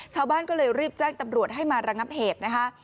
ชาวบ้านก็เลยรีบแจ้งตำรวจให้มาระงับเหตุนะคะ